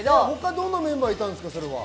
どんなメンバーいたんですか？